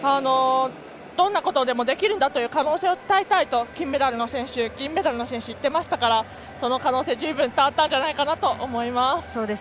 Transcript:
どんなことでもできるんだという可能性を伝えたいと金メダルの選手、銀メダルの選手言っていましたからその可能性、十分伝わったんじゃないかなと思います。